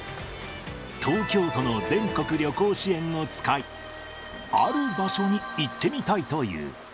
東京都の全国旅行支援を使い、ある場所に行ってみたいという。